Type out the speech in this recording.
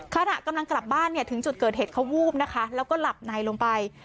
ขณะกำลังกลับบ้านเนี่ยถึงจุดเกิดเหตุเขาวูบนะคะแล้วก็หลับในลงไป